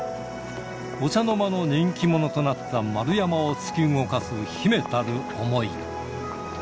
お茶の間の人気者となった丸山をつき動かす秘めたる想い。